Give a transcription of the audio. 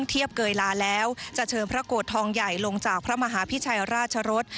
เทียบเกยลาแล้วจะเชิญพระโกรธทองใหญ่ลงจากพระมหาพิชัยราชรส